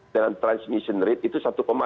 dengan transmission rate itu satu